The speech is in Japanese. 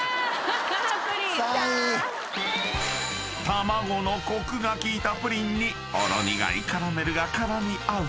［卵のコクが効いたプリンにほろ苦いカラメルが絡み合う］